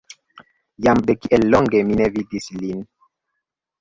Jam de tiel longe mi ne vidis lin.